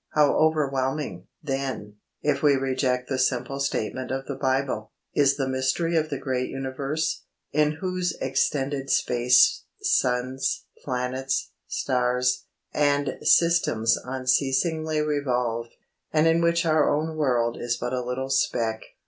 How overwhelming, then, if we reject the simple statement of the Bible, is the mystery of the great universe, in whose extended space suns, planets, stars, and systems unceasingly revolve, and in which our own world is but a little speck.